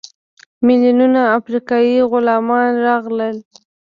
میلیونونه افریقایي غلامان راغلل.